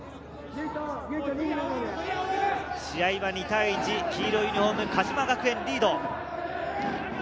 試合は２対１、黄色いユニホーム、鹿島学園リード。